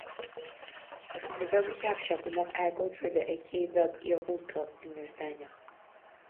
Agus ba bheag a cheap sé go mbeadh agóid roimhe ar chéibh bheag iargúlta in Iorras Aithneach.